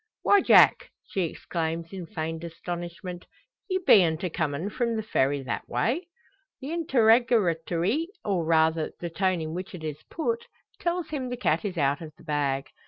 "Why, Jack!" she exclaims, in feigned astonishment, "ye beant a comin' from the Ferry that way?" The interrogatory, or rather the tone in which it is put, tells him the cat is out of the bag.